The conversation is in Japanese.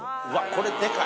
これでかい。